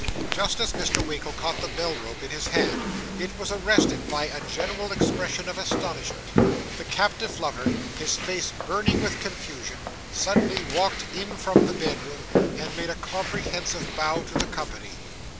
Just as Mr. Winkle caught the bell rope in his hand, it was arrested by a general expression of astonishment; the captive lover, his face burning with confusion, suddenly walked in from the bedroom, and made a comprehensive bow to the company.